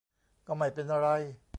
ก็ไม่เป็นไร